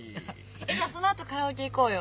えっじゃあそのあとカラオケ行こうよ。